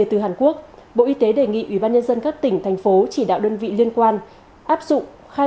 từ hàn quốc bộ y tế đề nghị ủy ban nhân dân các tỉnh thành phố chỉ đạo đơn vị liên quan áp dụng khai